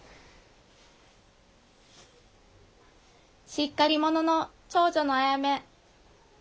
しっかり者の長女のあやめ。